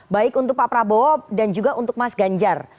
baik untuk pak prabowo dan juga untuk mas ganjar